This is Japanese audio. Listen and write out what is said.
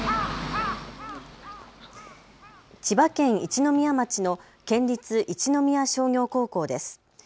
千葉県一宮町の県立一宮商業高校です。